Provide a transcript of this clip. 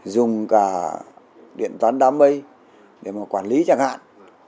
dùng cả điện toán đám mây để mà quản lý chẳng hạn